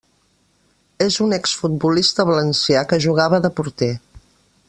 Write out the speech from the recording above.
És un exfutbolista valencià que jugava de porter.